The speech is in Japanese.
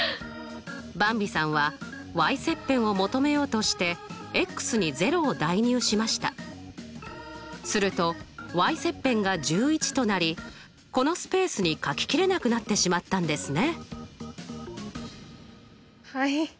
ばんびさんは切片を求めようとしてすると切片が１１となりこのスペースにかき切れなくなってしまったんですね。